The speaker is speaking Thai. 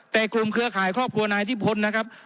แต่กลุ่มเครือข่ายครอบครัวนายอิทพลนะครับ